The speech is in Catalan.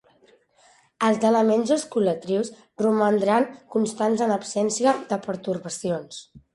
Els elements osculatrius romandran constants en absència de pertorbacions.